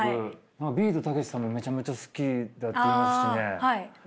ビートたけしさんもめちゃめちゃ好きだっていいますしね。